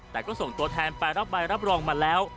แต่ก็ส่งตัวแทนไปรับใบรับรองมาแล้ว